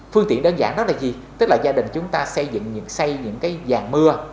phương tiện đơn giản đó là gì tức là gia đình chúng ta xây dựng những dàn mưa